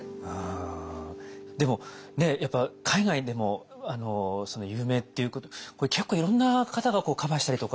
でもねやっぱ海外でも有名っていうこと結構いろんな方がカバーしたりとか。